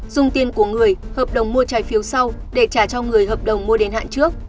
dùng tiền của người hợp đồng mua trái phiếu sau để trả cho người hợp đồng mua đến hạn trước